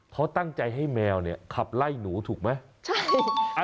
เขาตั้งใจให้แมวเนี่ยขับไล่หนูถูกไหม